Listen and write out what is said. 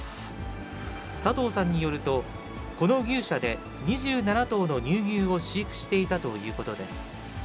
佐藤さんによると、この牛舎で２７頭の乳牛を飼育していたということです。